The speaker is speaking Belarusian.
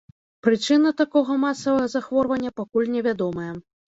Прычына такога масавага захворвання пакуль невядомая.